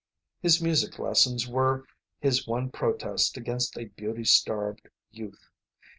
His music lessons were his one protest against a beauty starved youth.